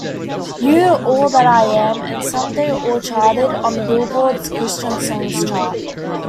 "You", "All That I Am", and "Someday" all charted on "Billboard"'s Christian Songs chart.